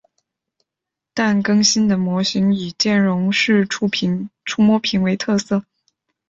但更新的模型以电容式触摸屏为特色。